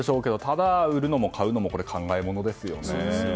ただ、売るのも買うのも考えものですよね。